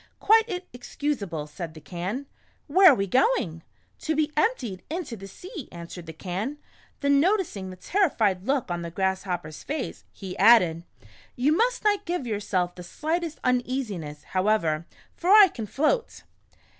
"Quite excusable," said the Can. " Where are we going ?"" To be emptied into the sea," answered the Can. Then noticing the terrified look on the Grasshopper's face, he added :" You must not give yourself the slightest uneasiness, however, for I can float."